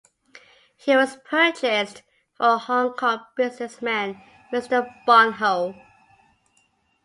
He was purchased for Hong Kong businessman Mr Bon Ho.